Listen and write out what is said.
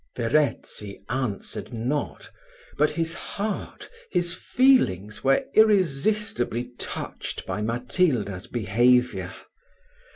Verezzi answered not; but his heart, his feelings, were irresistibly touched by Matilda's behaviour.